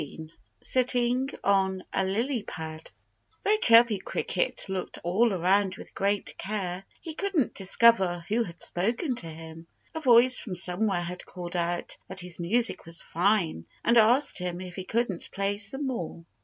XVII SITTING ON A LILY PAD Though Chirpy Cricket looked all around with great care, he couldn't discover who had spoken to him. A voice from somewhere had called out that his music was fine and asked him if he wouldn't play some more.